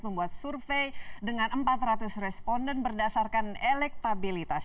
membuat survei dengan empat ratus responden berdasarkan elektabilitas